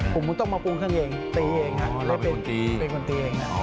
ผมต้องมาปรุงข้างเองตีเองค่ะเราเป็นคนตี